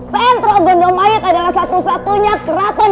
sentro gondomayit adalah satu satunya keraton